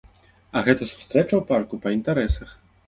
А гэта сустрэча ў парку па інтарэсах.